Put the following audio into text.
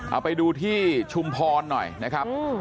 เอาไปดูที่ชุมพรหน่อยนะครับ